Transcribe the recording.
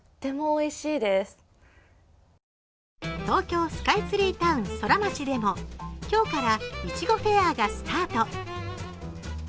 東京スカイツリータウン・ソラマチでも今日からいちごフェアがスタート。